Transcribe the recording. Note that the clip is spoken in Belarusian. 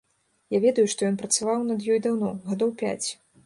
Я ведаю, што ён працаваў над ёй даўно, гадоў пяць.